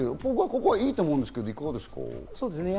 ここはいいと思うんですけど、いかがですか？